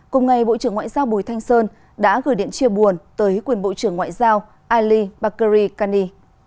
cùng ngày bộ trưởng ngoại giao bùi thanh sơn đã gửi điện chia buồn tới quyền bộ trưởng ngoại giao ali barkeri kani